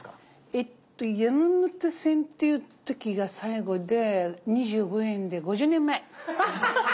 えっと山手線っていう時が最後で２５円で５０年前。